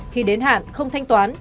khi đến hạn không thanh toán